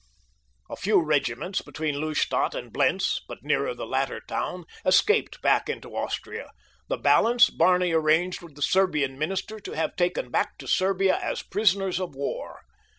A few regiments between Lustadt and Blentz, but nearer the latter town, escaped back into Austria, the balance Barney arranged with the Serbian minister to have taken back to Serbia as prisoners of war.